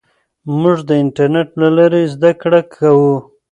موږ د انټرنېټ له لارې زده کړه کوو.